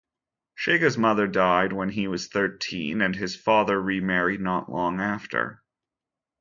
Shiga's mother died when he was thirteen and his father remarried not long after.